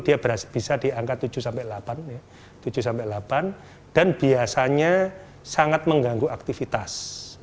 dia bisa diangkat tujuh delapan dan biasanya sangat mengganggu aktivitas